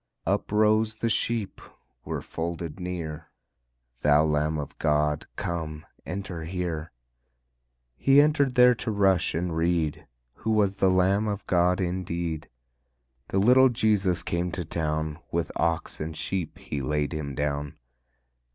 Uprose the Sheep were folded near: "Thou Lamb of God, come, enter here." He entered there to rush and reed, Who was the Lamb of God indeed. The little Jesus came to town; With ox and sheep He laid Him down.